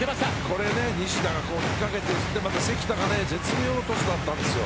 これ、西田が引っかけてまた関田が関田が絶妙なトスだったんですよ。